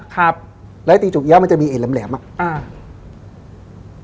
ครับแล้วที่จะมีเอ่นแหลมแหลมอ่ะอ่า